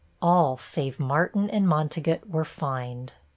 All save Martin and Montegut were fined."